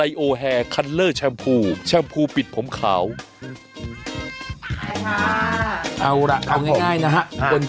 เอาล่ะเอาง่ายนะฮะ